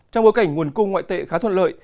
trong bối cảnh nguồn cung ngoại tệ khá thuận lợi